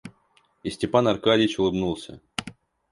И Степан Аркадьич улыбнулся.